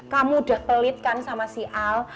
kamu udah pelit kan sama si al